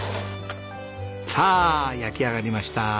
さあ焼き上がりました。